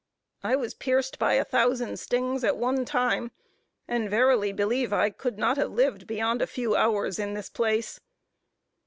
I was pierced by a thousand stings at a time, and verily believe I could not have lived beyond a few hours in this place.